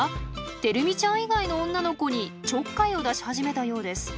てる美ちゃん以外の女の子にちょっかいを出し始めたようです。